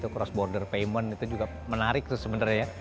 cross border payment itu juga menarik sebenarnya ya